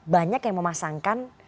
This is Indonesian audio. banyak yang memasangkan